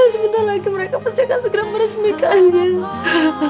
sebentar lagi mereka pasti akan segera meresmikannya